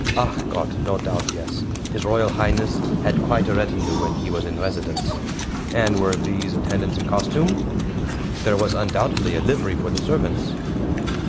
"ACH GOTT! no doubt, yes; His Royal Highness had quite a retinue when he was in residence." "And were these attendants in costume?" "There was undoubtedly a livery for the servants."